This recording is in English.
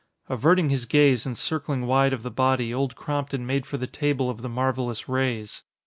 Averting his gaze and circling wide of the body, Old Crompton made for the table of the marvelous rays.